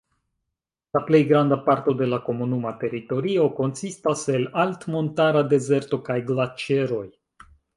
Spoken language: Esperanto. La plej granda parto de la komunuma teritorio konsistas el altmontara dezerto kaj glaĉeroj.